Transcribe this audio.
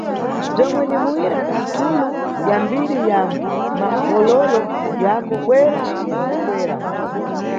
Bzomwe ni muwira na nthulu ya mbiri ya makhololo yako, bwera, cimbuya, bwera.